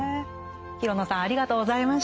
廣野さんありがとうございました。